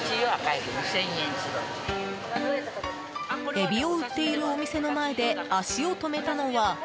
エビを売っているお店の前で足を止めたのは。